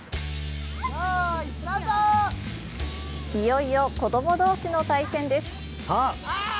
いよいよ子ども同士の対戦です。